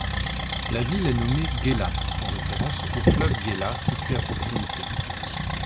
La ville est nommée Gela en référence au fleuve Gela situé à proximité.